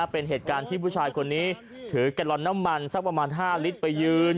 เป็นเหตุการณ์ที่ผู้ชายคนนี้ถือแกลลอนน้ำมันสักประมาณ๕ลิตรไปยืน